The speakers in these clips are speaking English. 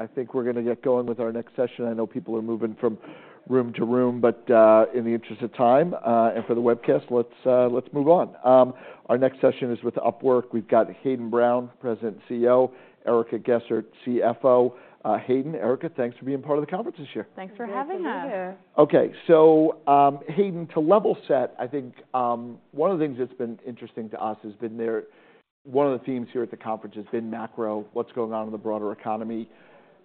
I think we're gonna get going with our next session. I know people are moving from room to room, but in the interest of time, and for the webcast, let's move on. Our next session is with Upwork. We've got Hayden Brown, President and CEO, Erica Gessert, CFO. Hayden, Erica, thanks for being part of the conference this year. Thanks for having us. Great to be here. Okay, so, Hayden, to level set, I think, one of the things that's been interesting to us has been one of the themes here at the conference has been macro, what's going on in the broader economy.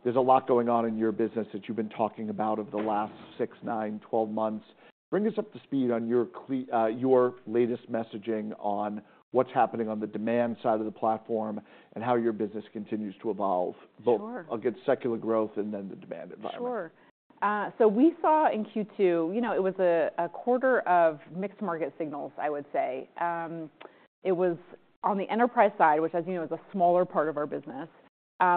There's a lot going on in your business that you've been talking about over the last 6, 9, 12 months. Bring us up to speed on your latest messaging on what's happening on the demand side of the platform and how your business continues to evolve. Sure. Both against secular growth and then the demand environment. Sure. So we saw in Q2, you know, it was a quarter of mixed market signals, I would say. It was on the enterprise side, which, as you know, is a smaller part of our business,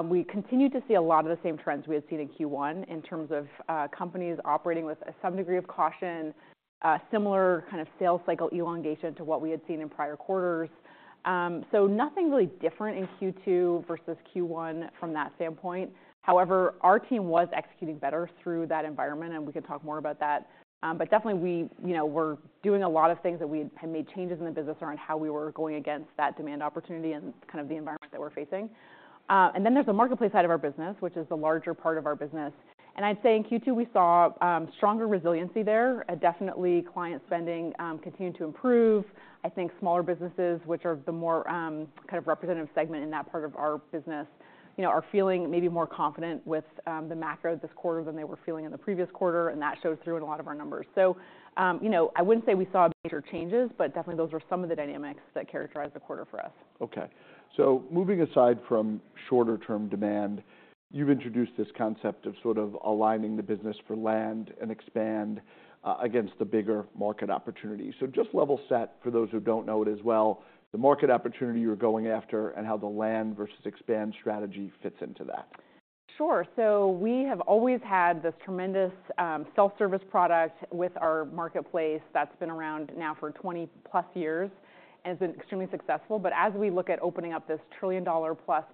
we continued to see a lot of the same trends we had seen in Q1, in terms of, companies operating with some degree of caution, similar kind of sales cycle elongation to what we had seen in prior quarters. So nothing really different in Q2 versus Q1 from that standpoint. However, our team was executing better through that environment, and we could talk more about that. But definitely we, you know, were doing a lot of things that we had made changes in the business around how we were going against that demand opportunity and kind of the environment that we're facing. And then there's the marketplace side of our business, which is the larger part of our business, and I'd say in Q2 we saw stronger resiliency there. Definitely client spending continued to improve. I think smaller businesses, which are the more kind of representative segment in that part of our business, you know, are feeling maybe more confident with the macro this quarter than they were feeling in the previous quarter, and that showed through in a lot of our numbers. So, you know, I wouldn't say we saw major changes, but definitely those are some of the dynamics that characterize the quarter for us. Okay. So moving aside from shorter-term demand, you've introduced this concept of sort of aligning the business for land and expand against the bigger market opportunity. So just level set for those who don't know it as well, the market opportunity you're going after and how the land versus expand strategy fits into that. Sure. So we have always had this tremendous self-service product with our marketplace that's been around now for 20+ years and has been extremely successful. But as we look at opening up this $1 trillion+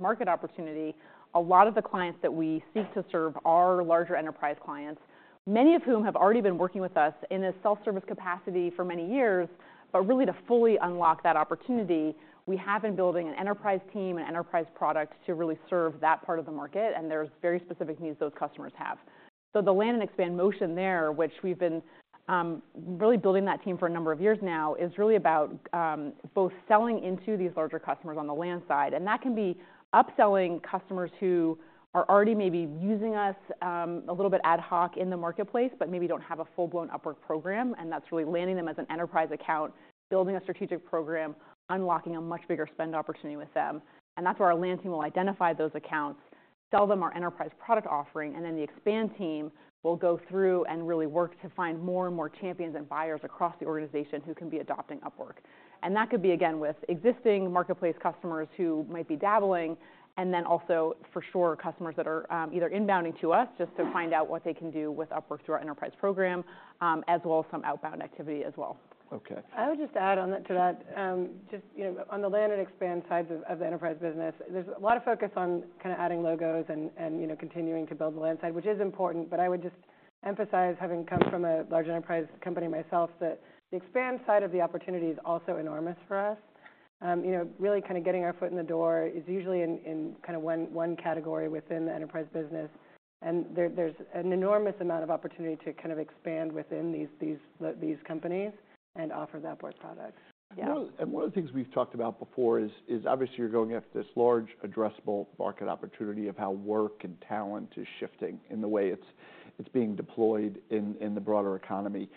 market opportunity, a lot of the clients that we seek to serve are larger enterprise clients, many of whom have already been working with us in a self-service capacity for many years. But really, to fully unlock that opportunity, we have been building an enterprise team and enterprise product to really serve that part of the market, and there's very specific needs those customers have. So the land and expand motion there, which we've been really building that team for a number of years now, is really about both selling into these larger customers on the land side, and that can be upselling customers who are already maybe using us a little bit ad hoc in the marketplace, but maybe don't have a full-blown Upwork program, and that's really landing them as an enterprise account, building a strategic program, unlocking a much bigger spend opportunity with them. And that's where our land team will identify those accounts, sell them our enterprise product offering, and then the expand team will go through and really work to find more and more champions and buyers across the organization who can be adopting Upwork. That could be, again, with existing marketplace customers who might be dabbling, and then also, for sure, customers that are either inbounding to us just to find out what they can do with Upwork through our enterprise program, as well as some outbound activity as well. Okay. I would just add on to that, just, you know, on the land and expand sides of the enterprise business, there's a lot of focus on kind of adding logos and you know, continuing to build the land side, which is important. But I would just emphasize, having come from a large enterprise company myself, that the expand side of the opportunity is also enormous for us. You know, really kind of getting our foot in the door is usually in kind of one category within the enterprise business, and there's an enormous amount of opportunity to kind of expand within these companies and offer the Upwork product. Yeah. Well, and one of the things we've talked about before is obviously you're going after this large addressable market opportunity of how work and talent is shifting in the way it's being deployed in the broader economy.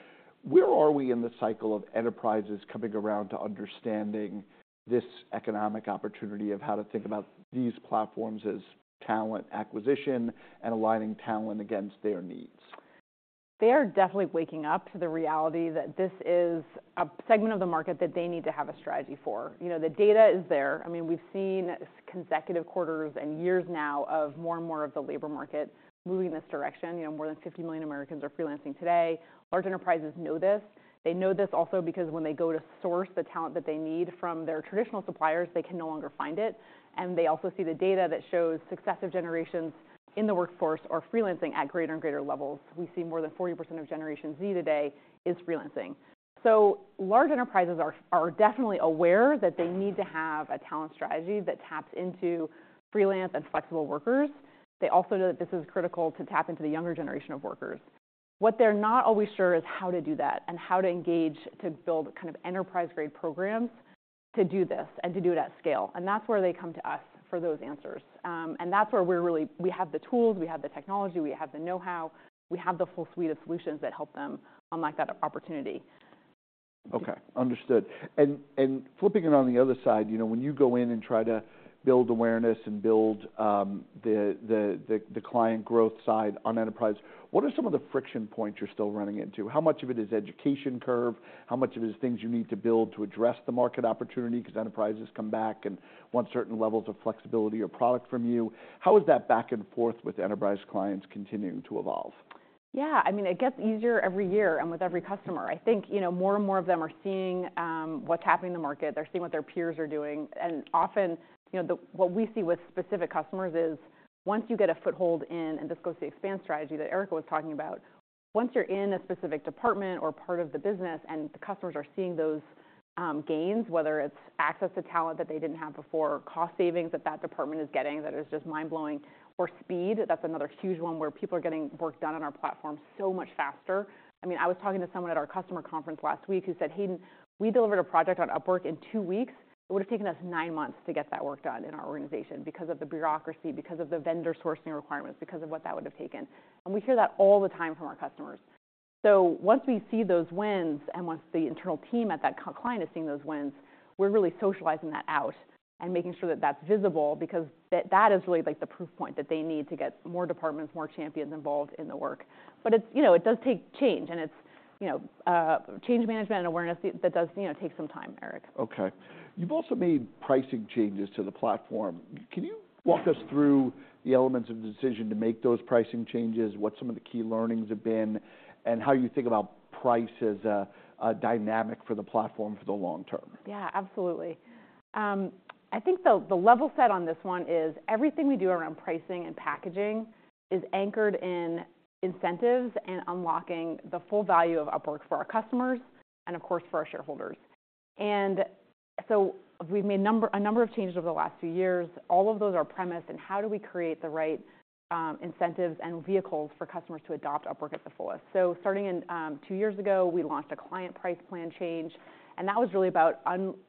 Where are we in the cycle of enterprises coming around to understanding this economic opportunity of how to think about these platforms as talent acquisition and aligning talent against their needs? They are definitely waking up to the reality that this is a segment of the market that they need to have a strategy for. You know, the data is there. I mean, we've seen consecutive quarters and years now of more and more of the labor market moving in this direction. You know, more than 50 million Americans are freelancing today. Large enterprises know this. They know this also because when they go to source the talent that they need from their traditional suppliers, they can no longer find it, and they also see the data that shows successive generations in the workforce are freelancing at greater and greater levels. We see more than 40% of Generation Z today is freelancing. So large enterprises are definitely aware that they need to have a talent strategy that taps into freelance and flexible workers. They also know that this is critical to tap into the younger generation of workers. What they're not always sure is how to do that and how to engage, to build kind of enterprise-grade programs to do this and to do it at scale, and that's where they come to us for those answers. And that's where we're really. We have the tools, we have the technology, we have the know-how, we have the full suite of solutions that help them unlock that opportunity. Okay, understood. And flipping it on the other side, you know, when you go in and try to build awareness and build the client growth side on enterprise, what are some of the friction points you're still running into? How much of it is education curve? How much of it is things you need to build to address the market opportunity, because enterprises come back and want certain levels of flexibility or product from you? How is that back and forth with enterprise clients continuing to evolve? Yeah, I mean, it gets easier every year and with every customer. I think, you know, more and more of them are seeing what's happening in the market. They're seeing what their peers are doing, and often, you know, what we see with specific customers is once you get a foothold in, and this goes to the expand strategy that Erica was talking about, once you're in a specific department or part of the business, and the customers are seeing those gains, whether it's access to talent that they didn't have before, cost savings that that department is getting, that is just mind-blowing, or speed, that's another huge one where people are getting work done on our platform so much faster. I mean, I was talking to someone at our customer conference last week who said, Hayden, we delivered a project on Upwork in two weeks. It would've taken us nine months to get that work done in our organization because of the bureaucracy, because of the vendor sourcing requirements, because of what that would have taken. And we hear that all the time from our customers. So once we see those wins, and once the internal team at that client is seeing those wins, we're really socializing that out and making sure that that's visible because that, that is really, like, the proof point that they need to get more departments, more champions involved in the work. But it's. You know, it does take change, and it's, you know, change management and awareness that does, you know, take some time, Eric. Okay. You've also made pricing changes to the platform. Can you walk us through the elements of the decision to make those pricing changes, what some of the key learnings have been, and how you think about price as a, a dynamic for the platform for the long-term? Yeah, absolutely. I think the level set on this one is everything we do around pricing and packaging is anchored in incentives and unlocking the full value of Upwork for our customers and, of course, for our shareholders. And so we've made a number of changes over the last few years. All of those are premised on how do we create the right incentives and vehicles for customers to adopt Upwork at the fullest? So starting in 2 years ago, we launched a client price plan change, and that was really about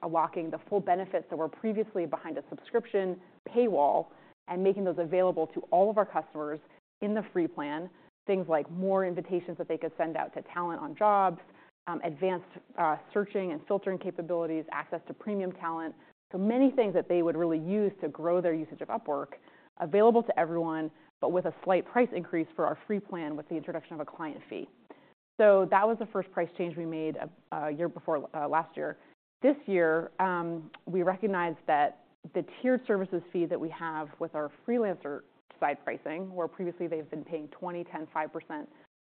unlocking the full benefits that were previously behind a subscription paywall and making those available to all of our customers in the free plan. Things like more invitations that they could send out to talent on jobs, advanced searching and filtering capabilities, access to premium talent. So many things that they would really use to grow their usage of Upwork available to everyone, but with a slight price increase for our free plan, with the introduction of a client fee. So that was the first price change we made a year before last year. This year, we recognized that the tiered services fee that we have with our freelancer side pricing, where previously they've been paying 20%, 10%, 5%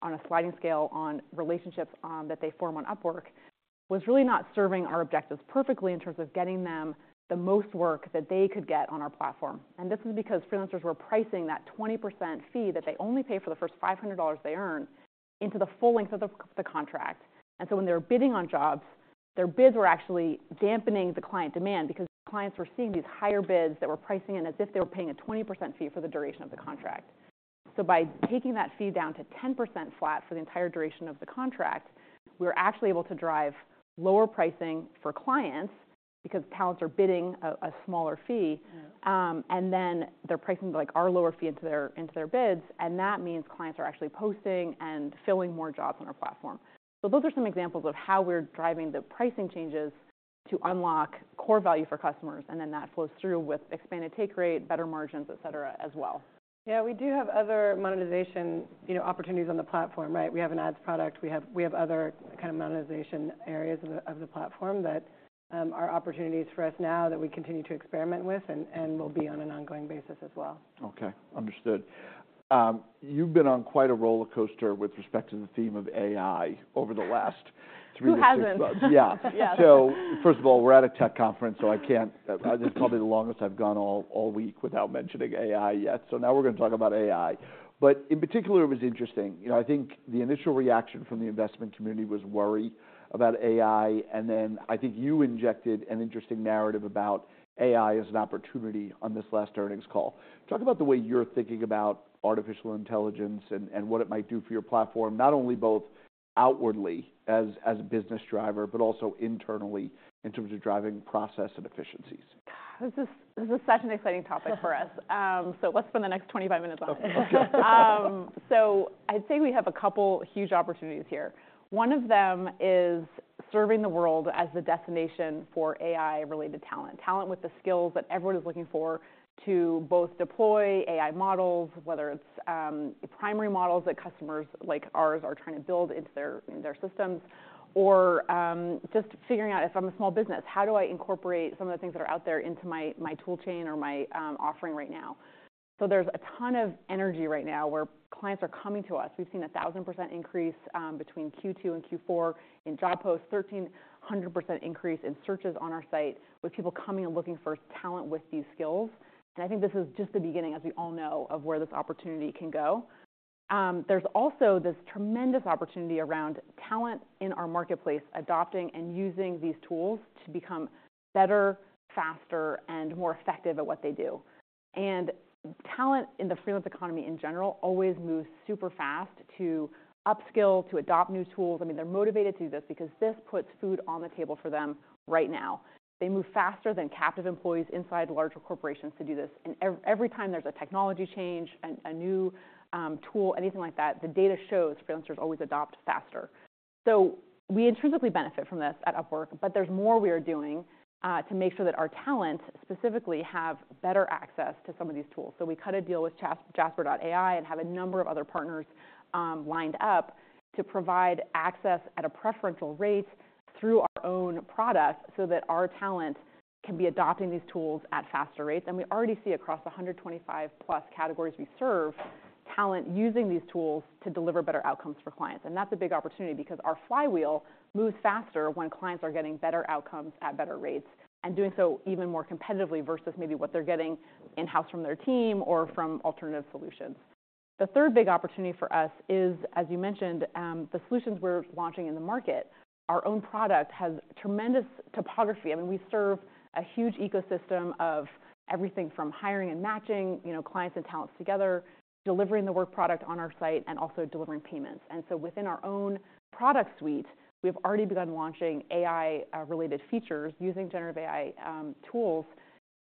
on a sliding scale on relationships, that they form on Upwork, was really not serving our objectives perfectly in terms of getting them the most work that they could get on our platform. And this is because freelancers were pricing that 20% fee that they only pay for the first $500 they earn into the full length of the contract. And so when they were bidding on jobs, their bids were actually dampening the client demand because clients were seeing these higher bids that were pricing in as if they were paying a 20% fee for the duration of the contract. So by taking that fee down to 10% flat for the entire duration of the contract, we were actually able to drive lower pricing for clients because talents are bidding a smaller fee. And then they're pricing, like, our lower fee into their, into their bids, and that means clients are actually posting and filling more jobs on our platform. So those are some examples of how we're driving the pricing changes to unlock core value for customers, and then that flows through with expanded take rate, better margins, etc., as well. Yeah, we do have other monetization, you know, opportunities on the platform, right? We have an ads product. We have other kind of monetization areas of the platform that are opportunities for us now that we continue to experiment with and will be on an ongoing basis as well. Okay, understood. You've been on quite a rollercoaster with respect to the theme of AI over the last 3-6 months. Who hasn't? Yeah. Yeah. So first of all, we're at a tech conference, so I can't. This is probably the longest I've gone all week without mentioning AI yet, so now we're gonna talk about AI. But in particular, it was interesting. You know, I think the initial reaction from the investment community was worry about AI, and then I think you injected an interesting narrative about AI as an opportunity on this last earnings call. Talk about the way you're thinking about artificial intelligence and what it might do for your platform, not only both outwardly as a business driver, but also internally in terms of driving process and efficiencies. This is such an exciting topic for us. So let's spend the next 25 minutes on it. Okay. So I'd say we have a couple huge opportunities here. One of them is serving the world as the destination for AI-related talent. Talent with the skills that everyone is looking for to both deploy AI models, whether it's primary models that customers like ours are trying to build into their, their systems, or just figuring out, if I'm a small business, how do I incorporate some of the things that are out there into my, my tool chain or my offering right now? So there's a ton of energy right now where clients are coming to us. We've seen a 1,000% increase between Q2 and Q4 in job posts, 1,300% increase in searches on our site, with people coming and looking for talent with these skills, and I think this is just the beginning, as we all know, of where this opportunity can go. There's also this tremendous opportunity around talent in our marketplace, adopting and using these tools to become better, faster, and more effective at what they do. And talent in the freelance economy in general always moves super fast to upskill, to adopt new tools. I mean, they're motivated to do this because this puts food on the table for them right now. They move faster than captive employees inside larger corporations to do this, and every time there's a technology change, a new tool, anything like that, the data shows freelancers always adopt faster. So we intrinsically benefit from this at Upwork, but there's more we are doing to make sure that our talent specifically have better access to some of these tools. So we cut a deal with Jasper.ai and have a number of other partners lined up to provide access at a preferential rate through our own product so that our talent can be adopting these tools at faster rates. And we already see across the 125+ categories we serve talent using these tools to deliver better outcomes for clients. And that's a big opportunity because our flywheel moves faster when clients are getting better outcomes at better rates, and doing so even more competitively versus maybe what they're getting in-house from their team or from alternative solutions. The third big opportunity for us is, as you mentioned, the solutions we're launching in the market. Our own product has tremendous topography. I mean, we serve a huge ecosystem of everything from hiring and matching, you know, clients and talents together, delivering the work product on our site, and also delivering payments. And so within our own product suite, we've already begun launching AI-related features using generative AI tools,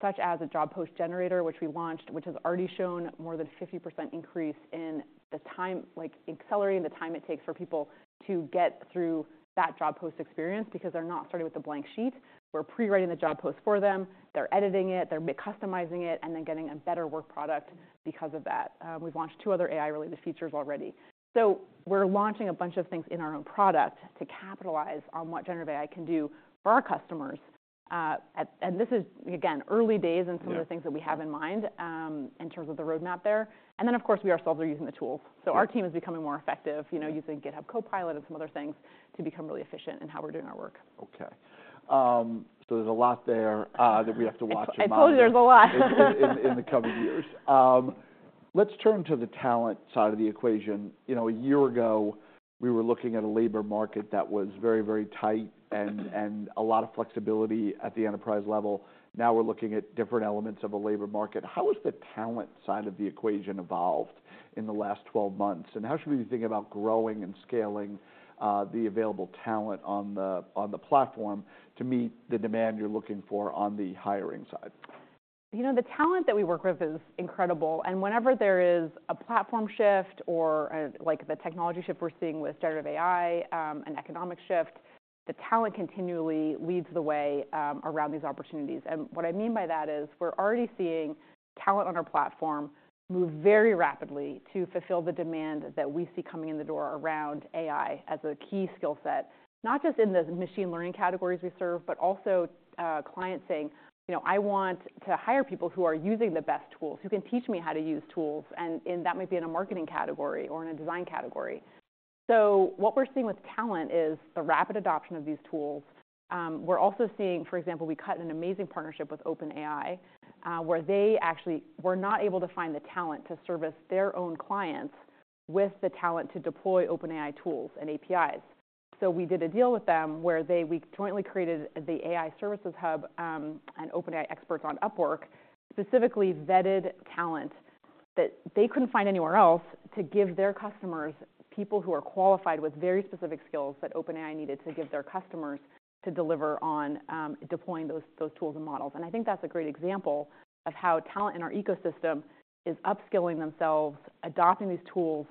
such as a job post generator, which we launched, which has already shown more than 50% increase in the time—like, accelerating the time it takes for people to get through that job post experience because they're not starting with a blank sheet. We're pre-writing the job post for them, they're editing it, they're customizing it, and then getting a better work product because of that. We've launched two other AI-related features already. So we're launching a bunch of things in our own product to capitalize on what generative AI can do for our customers. And this is, again, early days- Yeah In some of the things that we have in mind, in terms of the roadmap there. And then, of course, we ourselves are using the tools. Yeah. Our team is becoming more effective, you know- Yeah... using GitHub Copilot and some other things to become really efficient in how we're doing our work. Okay. There's a lot there that we have to watch and monitor. I told you there's a lot! In the coming years. Let's turn to the talent side of the equation. You know, a year ago, we were looking at a labor market that was very, very tight and a lot of flexibility at the enterprise level. Now, we're looking at different elements of a labor market. How has the talent side of the equation evolved in the last 12 months? And how should we be thinking about growing and scaling the available talent on the platform to meet the demand you're looking for on the hiring side? You know, the talent that we work with is incredible, and whenever there is a platform shift or, like the technology shift we're seeing with generative AI, an economic shift, the talent continually leads the way, around these opportunities. And what I mean by that is, we're already seeing talent on our platform move very rapidly to fulfill the demand that we see coming in the door around AI as a key skill set. Not just in the machine learning categories we serve, but also, clients saying, "You know, I want to hire people who are using the best tools, who can teach me how to use tools, and, and that might be in a marketing category or in a design category. So what we're seeing with talent is a rapid adoption of these tools. We're also seeing... For example, we cut an amazing partnership with OpenAI, where they actually were not able to find the talent to service their own clients with the talent to deploy OpenAI tools and APIs. So we did a deal with them where we jointly created the AI Services Hub, and OpenAI Experts on Upwork, specifically vetted talent that they couldn't find anywhere else to give their customers, people who are qualified with very specific skills that OpenAI needed to give their customers to deliver on deploying those tools and models. And I think that's a great example of how talent in our ecosystem is upskilling themselves, adopting these tools,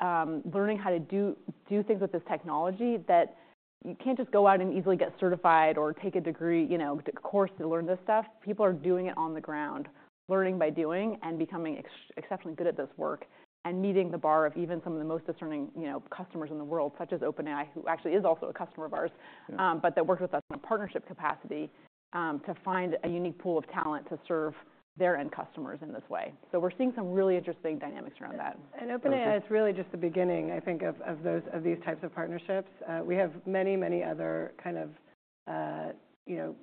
learning how to do things with this technology that you can't just go out and easily get certified or take a degree, you know, a course to learn this stuff. People are doing it on the ground, learning by doing, and becoming exceptionally good at this work, and meeting the bar of even some of the most discerning, you know, customers in the world, such as OpenAI, who actually is also a customer of ours. Yeah But that worked with us in a partnership capacity, to find a unique pool of talent to serve their end customers in this way. So we're seeing some really interesting dynamics around that. OpenAI is really just the beginning, I think, of these types of partnerships. We have many, many other kind of, you know,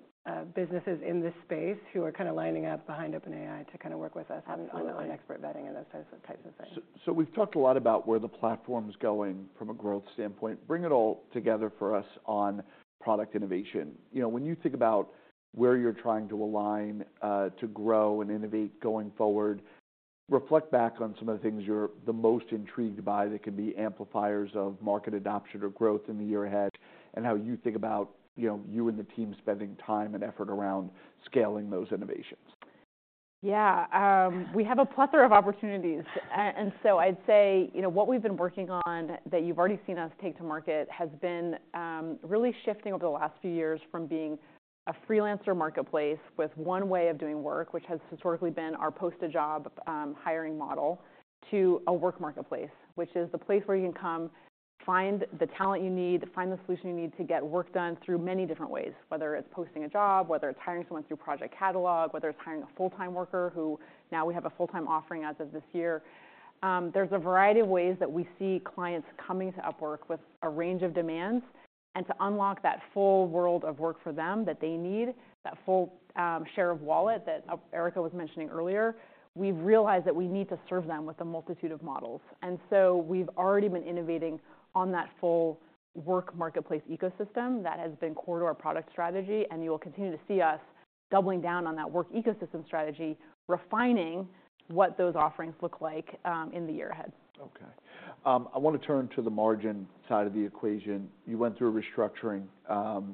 businesses in this space who are kinda lining up behind OpenAI to kinda work with us- Absolutely On expert vetting and those types of things. So, so we've talked a lot about where the platform's going from a growth standpoint. Bring it all together for us on product innovation. You know, when you think about where you're trying to align to grow and innovate going forward, reflect back on some of the things you're the most intrigued by that can be amplifiers of market adoption or growth in the year ahead, and how you think about, you know, you and the team spending time and effort around scaling those innovations. Yeah. We have a plethora of opportunities and so I'd say, you know, what we've been working on, that you've already seen us take to market, has been really shifting over the last few years from being a freelancer marketplace with one way of doing work, which has historically been our post-a-job hiring model, to a work marketplace, which is the place where you can come find the talent you need, find the solution you need to get work done through many different ways, whether it's posting a job, whether it's hiring someone through Project Catalog, whether it's hiring a full-time worker, who now we have a full-time offering as of this year. There's a variety of ways that we see clients coming to Upwork with a range of demands. To unlock that full world of work for them that they need, that full, share of wallet that, Erica was mentioning earlier, we've realized that we need to serve them with a multitude of models. So we've already been innovating on that full work marketplace ecosystem that has been core to our product strategy, and you will continue to see us doubling down on that work ecosystem strategy, refining what those offerings look like, in the year ahead. Okay. I wanna turn to the margin side of the equation. You went through a restructuring,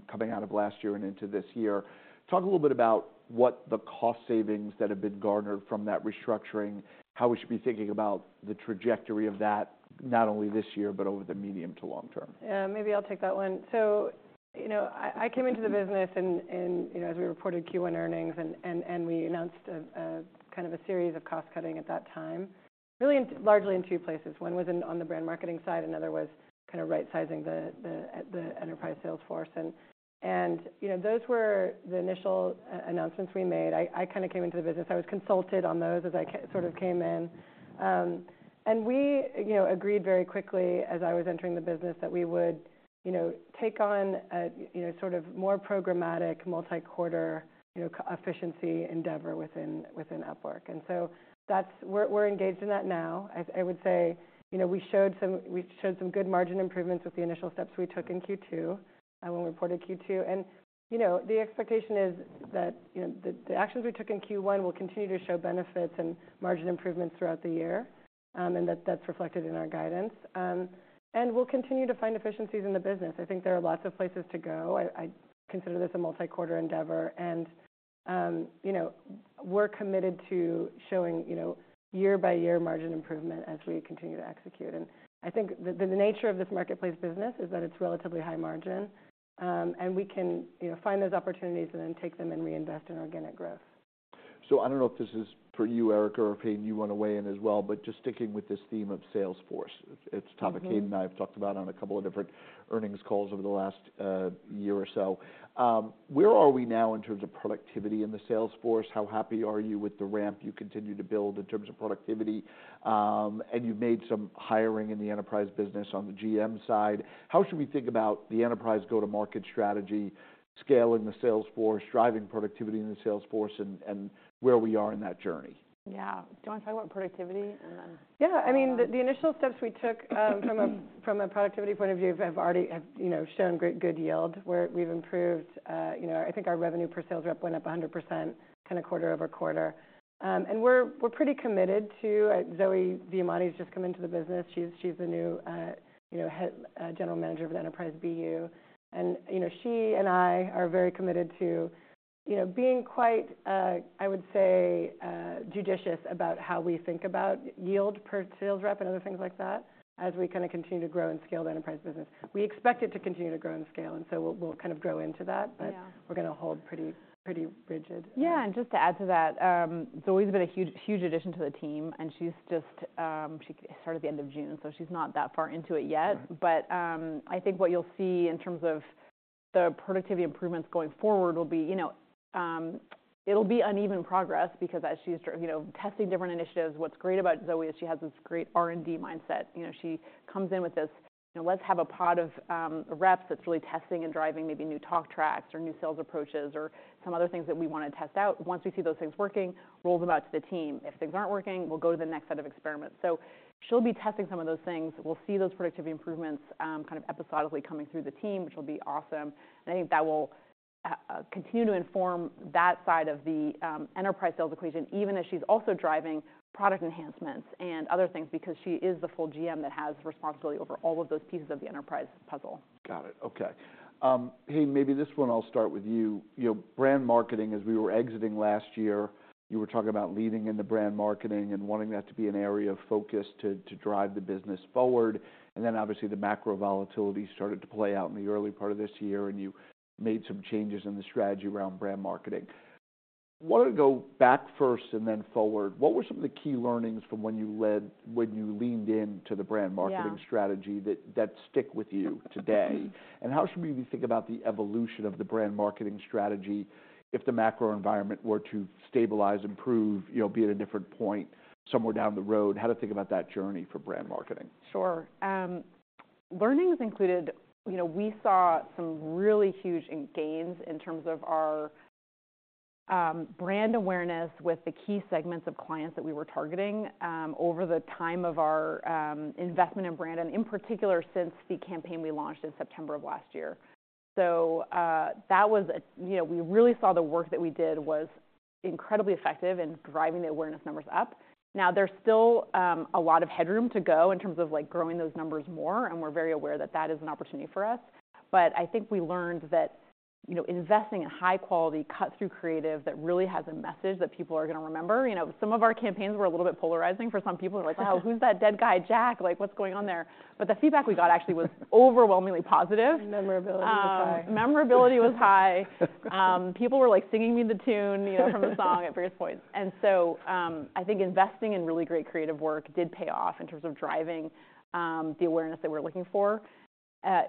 coming out of last year and into this year. Talk a little bit about what the cost savings that have been garnered from that restructuring, how we should be thinking about the trajectory of that, not only this year, but over the medium to long-term. Yeah, maybe I'll take that one. You know, I came into the business in, you know, as we reported Q1 earnings, and we announced a kind of a series of cost cutting at that time, really largely in two places. One was in, on the brand marketing side, another was kind of right-sizing the enterprise sales force. And, you know, those were the initial announcements we made. I kind of came into the business. I was consulted on those as I sort of came in. And we, you know, agreed very quickly, as I was entering the business, that we would, you know, take on a, you know, sort of more programmatic, multi-quarter, you know, efficiency endeavor within Upwork, and so that's. We're engaged in that now. I would say, you know, we showed some good margin improvements with the initial steps we took in Q2 when we reported Q2. You know, the expectation is that, you know, the actions we took in Q1 will continue to show benefits and margin improvements throughout the year, and that's reflected in our guidance. We'll continue to find efficiencies in the business. I think there are lots of places to go. I consider this a multi-quarter endeavor, and you know, we're committed to showing, you know, year-by-year margin improvement as we continue to execute. I think the nature of this marketplace business is that it's relatively high margin, and we can, you know, find those opportunities and then take them and reinvest in organic growth. So I don't know if this is for you, Erica, or Hayden. You want to weigh in as well, but just sticking with this theme of Sales force. It's. A topic Hayden and I have talked about on a couple of different earnings calls over the last year or so. Where are we now in terms of productivity in the sales force? How happy are you with the ramp you continue to build in terms of productivity? And you've made some hiring in the enterprise business on the GM side. How should we think about the enterprise go-to-market strategy, scaling the sales force, driving productivity in the sales force, and where we are in that journey? Yeah. Do you want to talk about productivity, and then I'll- Yeah. I mean, the initial steps we took from a productivity point of view have already shown good yield, where we've improved, you know. I think our revenue per sales rep went up 100% kind of quarter-over-quarter. And we're pretty committed to Zoë Diamadi's just come into the business. She's the new Head General Manager of an enterprise BU. And, you know, she and I are very committed to, you know, being quite, I would say, judicious about how we think about yield per sales rep and other things like that, as we kind of continue to grow and scale the enterprise business. We expect it to continue to grow and scale, and so we'll kind of grow into that. Yeah. But we're going to hold pretty, pretty rigid. Yeah, and just to add to that, Zoë's been a huge, huge addition to the team, and she's just... She started at the end of June, so she's not that far into it yet. Right. But, I think what you'll see in terms of the productivity improvements going forward will be, you know, it'll be uneven progress because as she's sort of, you know, testing different initiatives, what's great about Zoë is she has this great R&D mindset. You know, she comes in with this, you know, "Let's have a pod of, reps that's really testing and driving maybe new talk tracks or new sales approaches or some other things that we want to test out. Once we see those things working, roll them out to the team. If things aren't working, we'll go to the next set of experiments. So she'll be testing some of those things. We'll see those productivity improvements, kind of episodically coming through the team, which will be awesome, and I think that will continue to inform that side of the enterprise sales equation, even as she's also driving product enhancements and other things because she is the full GM that has responsibility over all of those pieces of the enterprise puzzle. Got it. Okay. Hayden, maybe this one I'll start with you. You know, brand marketing, as we were exiting last year, you were talking about leaning in the brand marketing and wanting that to be an area of focus to drive the business forward. And then obviously, the macro volatility started to play out in the early part of this year, and you made some changes in the strategy around brand marketing. Want to go back first and then forward. What were some of the key learnings from when you leaned in to the brand marketing- Yeah strategy that sticks with you today? And how should we think about the evolution of the brand marketing strategy if the macro environment were to stabilize, improve, you know, be at a different point somewhere down the road? How to think about that journey for brand marketing. Sure. Learnings included, you know, we saw some really huge gains in terms of our brand awareness with the key segments of clients that we were targeting over the time of our investment in brand, and in particular, since the campaign we launched in September of last year. So, that was a. You know, we really saw the work that we did was incredibly effective in driving the awareness numbers up. Now, there's still a lot of headroom to go in terms of, like, growing those numbers more, and we're very aware that that is an opportunity for us. But I think we learned that, you know, investing in high-quality, cut-through creative that really has a message that people are going to remember. You know, some of our campaigns were a little bit polarizing for some people. They're like: Oh, who's that dead guy, Jack? Like, what's going on there?" But the feedback we got actually was overwhelmingly positive. Memorability was high. Memorability was high. People were, like, singing me the tune, you know, from the song at various points. And so, I think investing in really great creative work did pay off in terms of driving the awareness that we're looking for.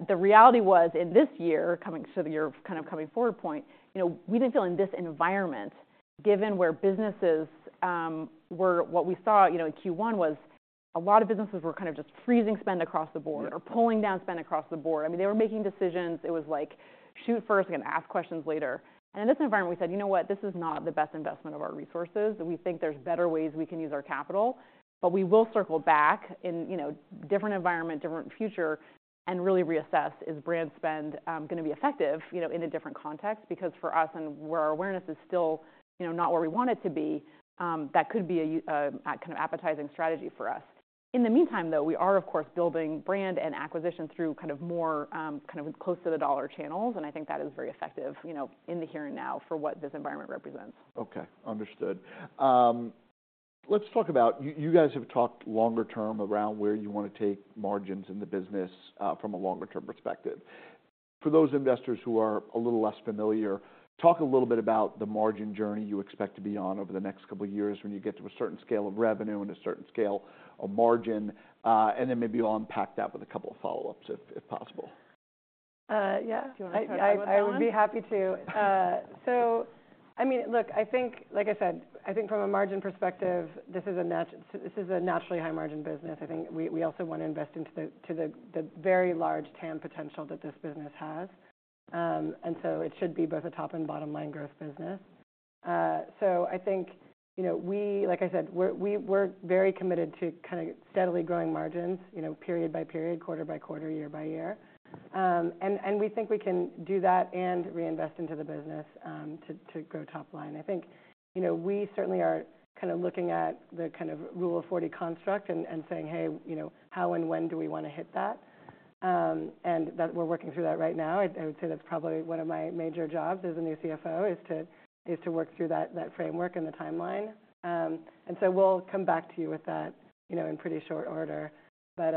The reality was, in this year, coming to the year, kind of coming forward point, you know, we didn't feel in this environment, given where businesses were, what we saw, you know, in Q1 was a lot of businesses were kind of just freezing spend across the board- Yeah or pulling down spend across the board. I mean, they were making decisions. It was like, shoot first and ask questions later. And in this environment, we said, You know what? This is not the best investment of our resources, and we think there's better ways we can use our capital, but we will circle back in, you know, different environment, different future, and really reassess, is brand spend going to be effective, you know, in a different context? Because for us, and where our awareness is still, you know, not where we want it to be, that could be a kind of appetizing strategy for us. In the meantime, though, we are, of course, building brand and acquisition through kind of more, kind of close to the dollar channels, and I think that is very effective, you know, in the here and now for what this environment represents. Okay. Understood. Let's talk about, you, you guys have talked longer-term around where you wanna take margins in the business, from a longer-term perspective. For those investors who are a little less familiar, talk a little bit about the margin journey you expect to be on over the next couple of years when you get to a certain scale of revenue and a certain scale of margin. And then maybe I'll unpack that with a couple of follow-ups, if, if possible. Uh, yeah. Do you wanna start out with that one? I would be happy to. So I mean, look, I think, like I said, I think from a margin perspective, this is a naturally high margin business. I think we also wanna invest into the very large TAM potential that this business has. And so it should be both a top and bottom-line growth business. So I think, you know, we like I said, we're very committed to kind of steadily growing margins, you know, period by period, quarter-by-quarter, year-by-year. And we think we can do that and reinvest into the business, to grow top line. I think, you know, we certainly are kind of looking at the kind of Rule of 40 construct and saying, Hey, you know, how and when do we wanna hit that? and that we're working through that right now. I would say that's probably one of my major jobs as a new CFO is to work through that framework and the timeline. And so we'll come back to you with that, you know, in pretty short order. But,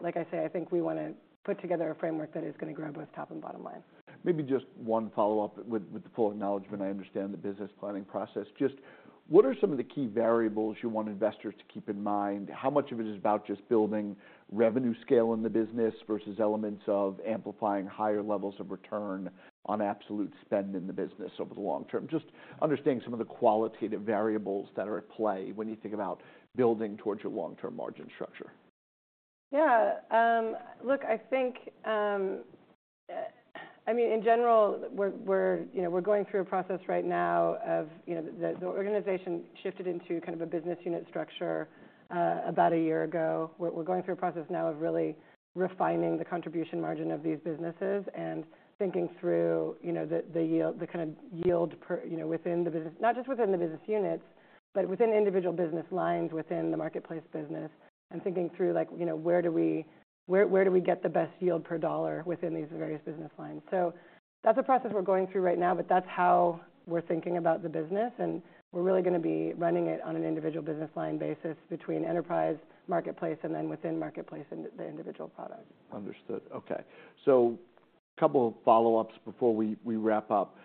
like I say, I think we wanna put together a framework that is gonna grow both top and bottom line. Maybe just one follow-up with the full acknowledgment. I understand the business planning process. Just what are some of the key variables you want investors to keep in mind? How much of it is about just building revenue scale in the business versus elements of amplifying higher levels of return on absolute spend in the business over the long-term? Just understanding some of the qualitative variables that are at play when you think about building towards your long-term margin structure. Yeah. Look, I think, I mean, in general, we're, you know, we're going through a process right now of, you know. The organization shifted into kind of a business unit structure about a year ago. We're going through a process now of really refining the contribution margin of these businesses and thinking through, you know, the yield, the kind of yield per. You know, within the business. Not just within the business units, but within individual business lines, within the marketplace business, and thinking through like, you know, where do we get the best yield per dollar within these various business lines? So that's a process we're going through right now, but that's how we're thinking about the business, and we're really gonna be running it on an individual business line basis between enterprise, marketplace, and then within marketplace, and the individual product. Understood. Okay. So a couple of follow-ups before we wrap up.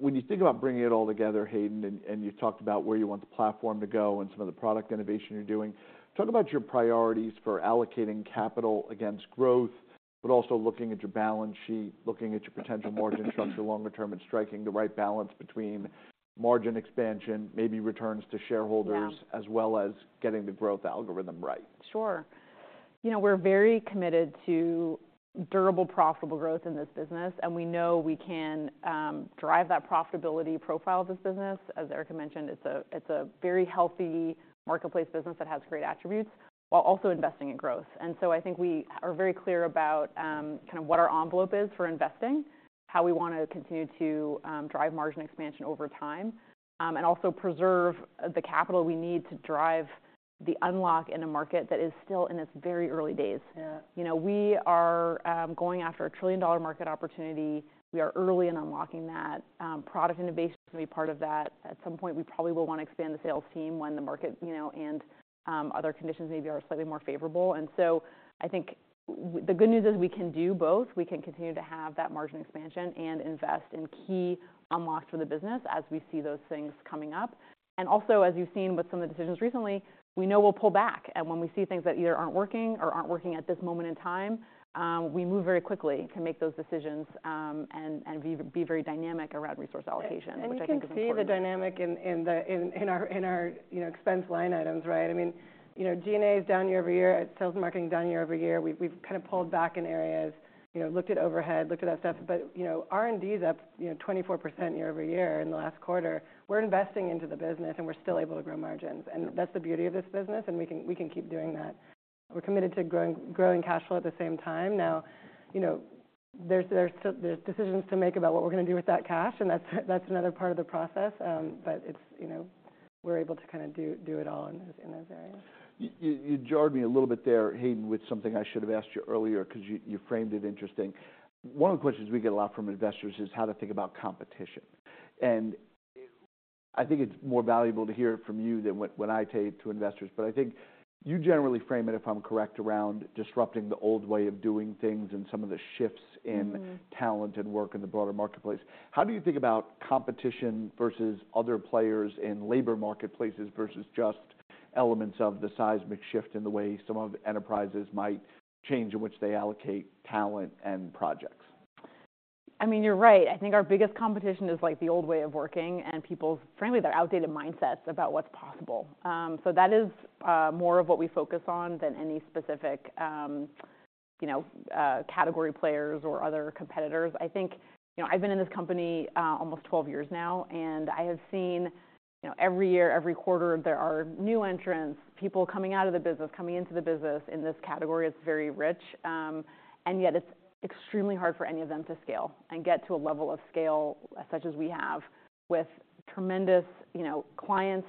When you think about bringing it all together, Hayden, and you've talked about where you want the platform to go and some of the product innovation you're doing, talk about your priorities for allocating capital against growth, but also looking at your balance sheet, looking at your potential margin structure longer-term, and striking the right balance between margin expansion, maybe returns to shareholders- Yeah as well as getting the growth algorithm right. Sure. You know, we're very committed to durable, profitable growth in this business, and we know we can drive that profitability profile of this business. As Erica mentioned, it's a, it's a very healthy marketplace business that has great attributes, while also investing in growth. And so I think we are very clear about kind of what our envelope is for investing, how we wanna continue to drive margin expansion over time, and also preserve the capital we need to drive the unlock in a market that is still in its very early days. Yeah. You know, we are going after a trillion-dollar market opportunity. We are early in unlocking that. Product innovation is gonna be part of that. At some point, we probably will wanna expand the sales team when the market, you know, and other conditions maybe are slightly more favorable. And so I think the good news is we can do both. We can continue to have that margin expansion and invest in key unlocks for the business as we see those things coming up. And also, as you've seen with some of the decisions recently, we know we'll pull back. And when we see things that either aren't working or aren't working at this moment in time, we move very quickly to make those decisions, and be very dynamic around resource allocation, which I think is important. You can see the dynamic in our, you know, expense line items, right? I mean, you know, G&A is down year-over-year, sales and marketing down year-over-year. We've kind of pulled back in areas, you know, looked at overhead, looked at that stuff. But, you know, R&D is up, you know, 24% year-over-year in the last quarter. We're investing into the business, and we're still able to grow margins, and that's the beauty of this business, and we can keep doing that. We're committed to growing cash flow at the same time. Now, you know, there's still decisions to make about what we're gonna do with that cash, and that's another part of the process. But it's, you know, we're able to kind of do it all in those areas. You jarred me a little bit there, Hayden, with something I should have asked you earlier, 'cause you framed it interesting. One of the questions we get a lot from investors is how to think about competition. And I think it's more valuable to hear it from you than what, when I say it to investors. But I think you generally frame it, if I'm correct, around disrupting the old way of doing things and some of the shifts in- talent and work in the broader marketplace. How do you think about competition versus other players in labor marketplaces, versus just elements of the seismic shift in the way some of the enterprises might change in which they allocate talent and projects? I mean, you're right. I think our biggest competition is, like, the old way of working and people's, frankly, their outdated mindsets about what's possible. So that is more of what we focus on than any specific, you know, category players or other competitors. I think. You know, I've been in this company almost 12 years now, and I have seen, you know, every year, every quarter, there are new entrants, people coming out of the business, coming into the business. In this category, it's very rich. And yet it's extremely hard for any of them to scale and get to a level of scale such as we have with tremendous, you know, clients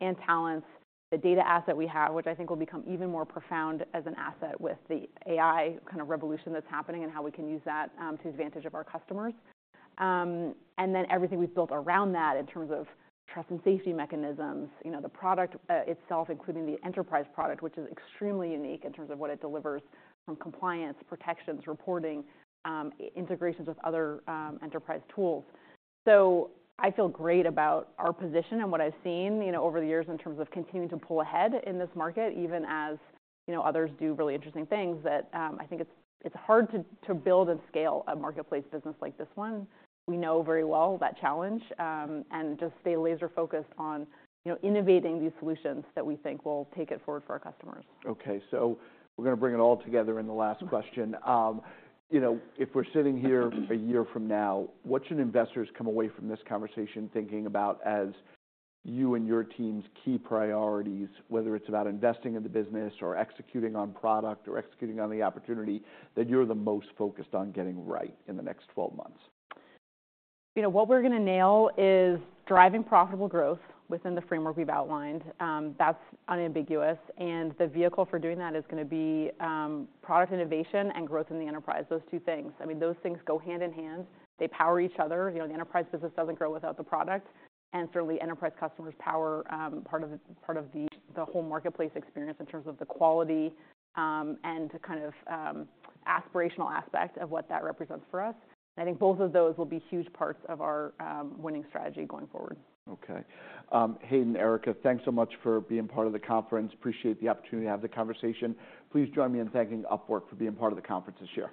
and talents, the data asset we have, which I think will become even more profound as an asset with the AI kind of revolution that's happening and how we can use that to the advantage of our customers. And then everything we've built around that in terms of trust and safety mechanisms, you know, the product itself, including the enterprise product, which is extremely unique in terms of what it delivers from compliance, protections, reporting, integrations with other enterprise tools. So I feel great about our position and what I've seen, you know, over the years in terms of continuing to pull ahead in this market, even as, you know, others do really interesting things. That, I think it's hard to build and scale a marketplace business like this one. We know very well that challenge, and just stay laser focused on, you know, innovating these solutions that we think will take it forward for our customers. Okay, so we're gonna bring it all together in the last question. You know, if we're sitting here a year from now, what should investors come away from this conversation thinking about as you and your team's key priorities, whether it's about investing in the business or executing on product or executing on the opportunity, that you're the most focused on getting right in the next 12 twelve months? You know, what we're gonna nail is driving profitable growth within the framework we've outlined. That's unambiguous, and the vehicle for doing that is gonna be product innovation and growth in the enterprise, those two things. I mean, those things go hand in hand. They power each other. You know, the enterprise business doesn't grow without the product, and certainly enterprise customers power part of the whole marketplace experience in terms of the quality and kind of aspirational aspect of what that represents for us. I think both of tho se will be huge parts of our winning strategy going forward. Okay. Hayden, Erica, thanks so much for being part of the conference. Appreciate the opportunity to have the conversation. Please join me in thanking Upwork for being part of the conference this year.